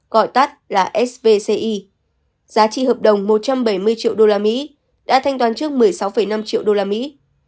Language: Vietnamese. giá trị hợp đồng một trăm bảy mươi triệu đô la mỹ đã thanh toán trước một mươi sáu năm triệu đô la mỹ